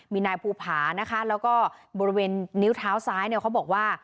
มีนายภูผานะคะแล้วก็บริเวณนิ้วเท้าซ้ายเนี่ยเขาบอกว่า